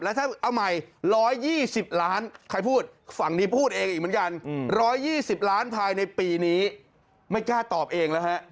ถ้าเอาใหม่๑๒๐ล้านใครพูดฝั่งนี้พูดเองอีกเหมือนกัน๑๒๐ล้านภายในปีนี้ไม่กล้าตอบเองแล้วฮะ